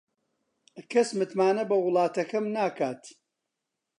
کەس متمانە بە وڵاتەکەم ناکات.